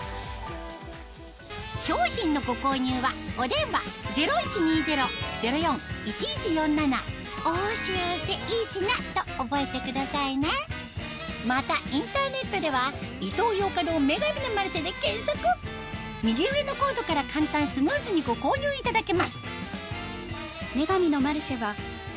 商品のご購入はお電話０１２０−０４−１１４７と覚えてくださいねまたインターネットでは右上のコードから簡単スムーズにご購入いただけます